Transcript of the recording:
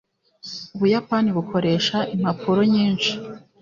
ubuyapani bukoresha impapuro nyinshi